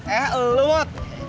eh eluh mut